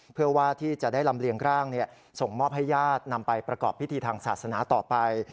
เพื่อว่าที่จะได้ลำเลียงร่างส่งมอบให้ญาตินำไปประกอบพิธีทางศาสนาต่อไป